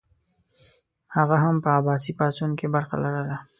هغه هم په عباسي پاڅون کې برخه لرله.